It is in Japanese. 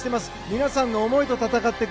皆さんの思いと戦っていく。